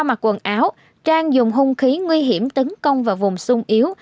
mặc quần áo trang dùng hung khí nguy hiểm tấn công vào vùng sung yếu